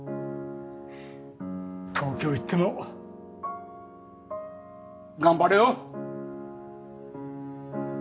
東京行っても頑張れよ！